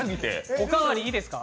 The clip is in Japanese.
おかわり、いいですか？